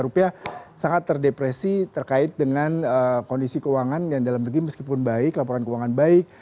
rupiah sangat terdepresi terkait dengan kondisi keuangan dan dalam negeri meskipun baik laporan keuangan baik